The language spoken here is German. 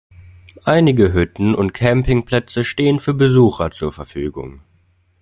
Einige Hütten und Campingplätze stehen für Besucher zur Verfügung.